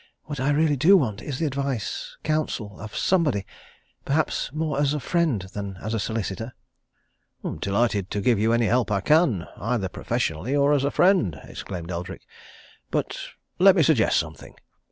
What I really do want is the advice, counsel, of somebody perhaps more as a friend than as a solicitor." "Delighted to give you any help I can either professionally or as a friend," exclaimed Eldrick. "But let me suggest something.